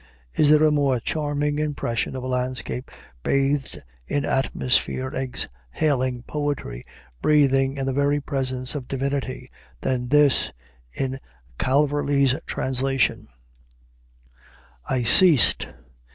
Is there a more charming impression of a landscape bathed in atmosphere, exhaling poetry, breathing in the very presence of divinity, than this, in Calverley's translation: "I ceased.